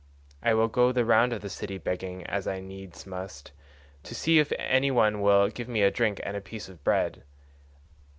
I will go the round of the city begging as I needs must, to see if any one will give me a drink and a piece of bread.